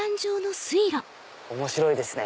面白いですね。